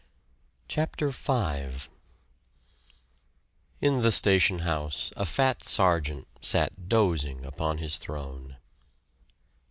CHAPTER V In the station house a fat sergeant sat dozing upon his throne.